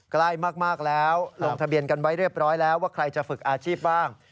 ใกล้มากแล้วลงทะเบียนกันไว้เรียบร้อยแล้วว่าใครจะฝึกอาชีพบ้าง